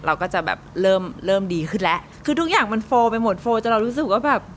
เราก็จะแบบเริ่มเริ่มดีขึ้นแล้วคือทุกอย่างมันโฟลไปหมดโฟลจนเรารู้สึกว่าแบบ